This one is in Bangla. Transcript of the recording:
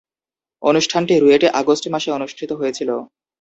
অনুষ্ঠানটি রুয়েটে আগস্ট মাসে অনুষ্ঠিত হয়েছিলো।